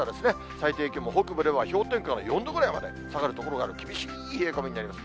最低気温も北部では氷点下の４度ぐらいまで下がる所がある、厳しい冷え込みになります。